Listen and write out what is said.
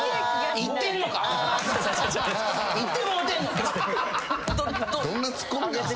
いってもうてんのか！？